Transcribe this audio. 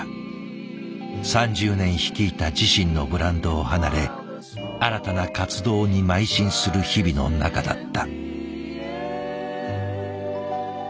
３０年率いた自身のブランドを離れ新たな活動にまい進する日々の中だった。